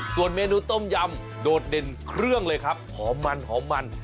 ส่วนเมนูต้มยำโดดเด่นเครื่องเลยครับหอมมันหอมมัน